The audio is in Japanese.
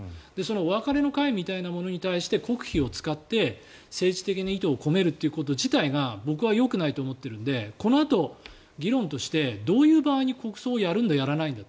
お別れの会みたいなものに対して国費を使って政治的な意図を込めるみたいなことが僕はよくないと思っているのでこのあと議論としてどういう場合に国葬をやるんだ、やらないんだ